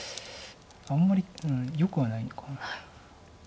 あんまりよくはないのかな。